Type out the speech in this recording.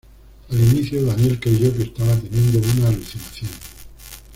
Al inicio, Daniel creyó que estaba teniendo una alucinación.